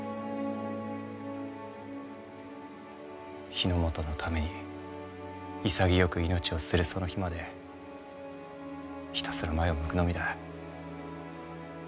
日の本のために潔く命を捨てるその日までひたすら前を向くのみだ。